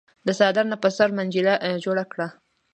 د څادر نه په سر منجيله جوړه کړه۔